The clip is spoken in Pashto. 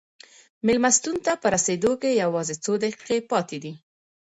مېلمستون ته په رسېدو کې یوازې څو دقیقې پاتې دي.